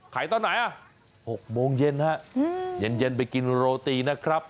ขายตอนไหนอ๋อ๖โมงเย็นครับเย็นไปกินโรตินะครับ